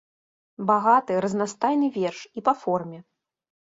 Багаты, разнастайны верш і па форме.